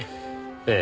ええ。